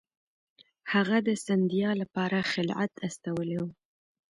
هغه د سیندیا لپاره خلعت استولی وو.